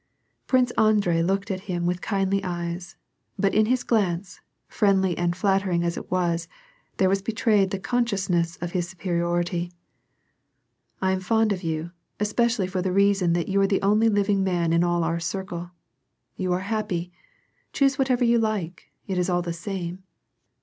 Prince Andrei looked at him with kindly eyes. But in his glance, friendly and flattering as it was, there was betrayed the consciousness of his superiority. " I am fond of you, especially for the reason that you are the only living man in all our circle. You are happy. Choose whatever you like, it is all the same.